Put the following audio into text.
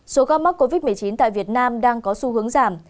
số ca mắc covid một mươi chín tại việt nam đang có xu hướng giảm